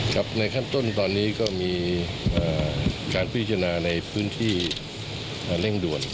ครับในขั้นต้นตอนนี้ก็มีการพิจารณาในพื้นที่เร่งด่วน